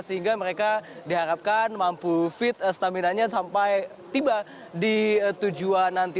sehingga mereka diharapkan mampu fit stamina nya sampai tiba di tujuan nanti